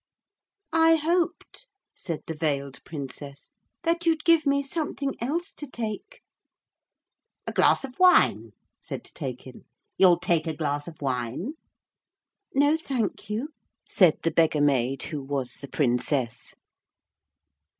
'I hoped,' said the veiled Princess, 'that you'd give me something else to take.' 'A glass of wine,' said Taykin. 'You'll take a glass of wine?' 'No, thank you,' said the beggar maid who was the Princess.